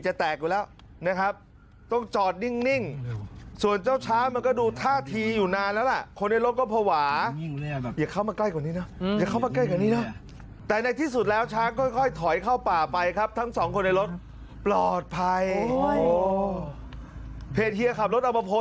เฮธเฮียขับรถเอาปะโพสไว้ครับ